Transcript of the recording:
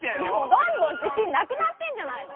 どんどんじしんなくなってんじゃないの！